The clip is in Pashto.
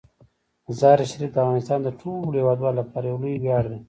مزارشریف د افغانستان د ټولو هیوادوالو لپاره یو لوی ویاړ دی.